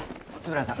円谷さん